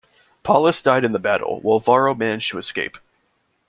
Paullus died in the battle, while Varro managed to escape.